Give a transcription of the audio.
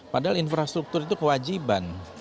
padahal infrastruktur itu kewajiban